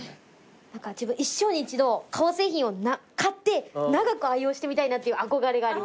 何か自分一生に一度革製品を買って長く愛用してみたいなっていう憧れがあります。